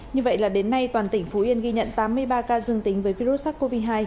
như vậy là đến nay toàn tỉnh phú yên ghi nhận tám mươi ba ca dương tính với virus sars cov hai